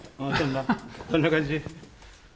こんな感じ。